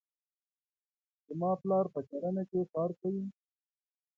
زما پلار په کرنې کې کار کوي.